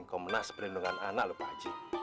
komenas perlindungan anak lu pak haji